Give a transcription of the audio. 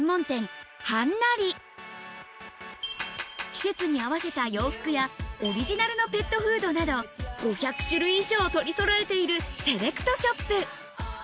季節に合わせた洋服やオリジナルのペットフードなど５００種類以上を取りそろえているセレクトショップ